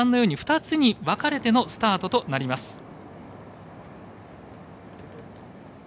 ２つに分かれてのスタートとなります。